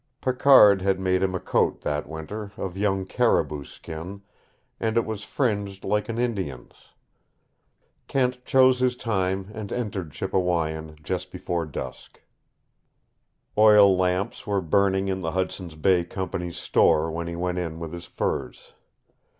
Picard had made him a coat, that winter, of young caribou skin, and it was fringed like an Indian's. Kent chose his time and entered Chippewyan just before dusk. Oil lamps were burning in the Hudson's Bay Company's store when he went in with his furs.